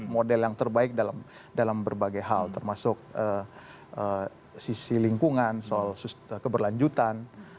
model yang terbaik dalam berbagai hal termasuk sisi lingkungan soal keberlanjutan